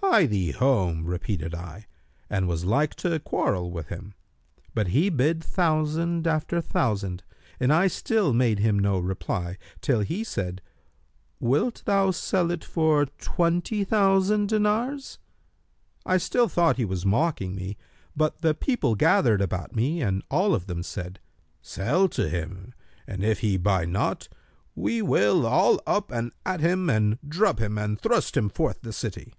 'Hie thee home,' repeated I and was like to quarrel with him. But he bid thousand after thousand, and I still made him no reply, till he said, 'Wilt thou sell it for twenty thousand dinars?' I still thought he was mocking me; but the people gathered about me and all of them said, 'Sell to him, and if he buy not, we will all up and at him and drub him and thrust him forth the city.'